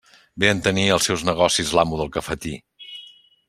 Bé entenia els seus negocis l'amo del cafetí.